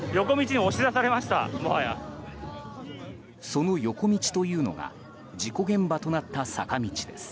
その横道というのが事故現場となった坂道です。